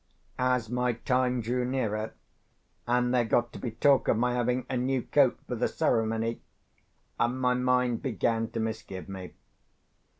As my time drew nearer, and there got to be talk of my having a new coat for the ceremony, my mind began to misgive me.